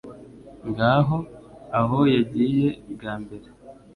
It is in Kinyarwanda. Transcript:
ngaho aho yagiye bwa mbere